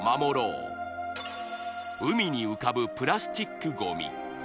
海に浮かぶプラスチックごみ